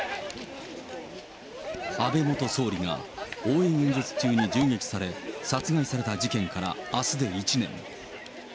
安倍元総理が応援演説中に銃撃され、殺害された事件からあすで１年。